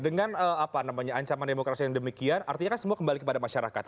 dengan ancaman demokrasi yang demikian artinya kan semua kembali kepada masyarakat